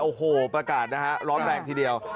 โอ้โหประกาศนะฮะร้อนแรงทีเดียว